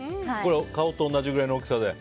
顔と同じぐらいの大きさで？